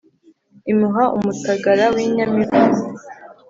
imuha umutagara w' inyamivugo